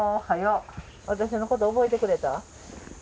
私のこと覚えてくれた？